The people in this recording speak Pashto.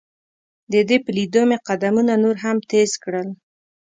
د دې په لیدو مې قدمونه نور هم تیز کړل.